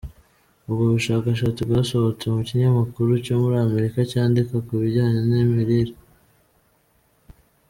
Ubwo bushakashatsi bwasohotse mu kinyamakuru cyo muri Amerika cyandika ku bijyanye n’imirire.